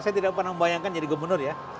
saya tidak pernah membayangkan jadi gubernur ya